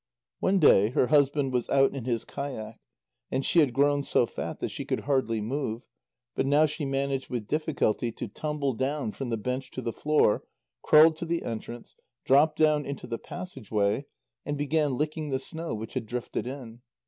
One day her husband was out in his kayak. And she had grown so fat that she could hardly move, but now she managed with difficulty to tumble down from the bench to the floor, crawled to the entrance, dropped down into the passage way, and began licking the snow which had drifted in.